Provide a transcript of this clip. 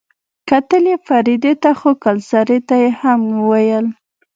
کتل يې فريدې ته خو کلسري ته يې هم وويل.